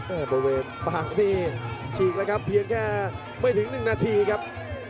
อื้อฮือประเวทฟังที่ฉีกแล้วครับเพียงแค่ไม่ถึง๑นาทีครับ